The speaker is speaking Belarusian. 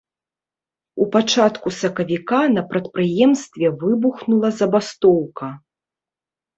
У пачатку сакавіка на прадпрыемстве выбухнула забастоўка.